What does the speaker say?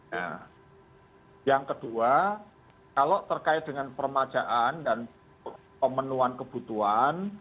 nah yang kedua kalau terkait dengan permajaan dan pemenuhan kebutuhan